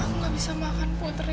aku gak bisa makan putri